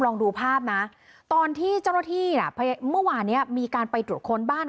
ลองดูภาพนะตอนที่เจ้าหน้าที่น่ะเมื่อวานเนี้ยมีการไปตรวจค้นบ้าน